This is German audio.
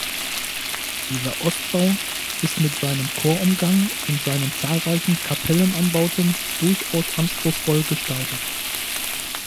Dieser Ostbau ist mit seinem Chorumgang und seinen zahlreichen Kapellenanbauten durchaus anspruchsvoll gestaltet.